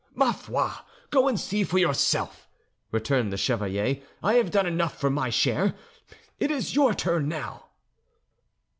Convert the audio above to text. "'Ma foi', go and see for yourself," returned the chevalier. "I have done enough for my share; it is your turn now."